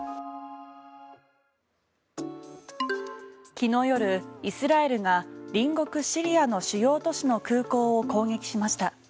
昨日夜、イスラエルが隣国シリアの主要都市の空港を攻撃しました。